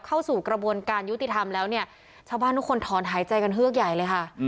เข้าสู่กระบวนการยุติธรรมแล้วเนี่ยชาวบ้านทุกคนถอนหายใจกันเฮือกใหญ่เลยค่ะ